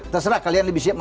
terserah kalian lebih siap